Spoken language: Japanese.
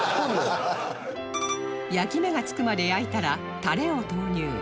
焼き目がつくまで焼いたらタレを投入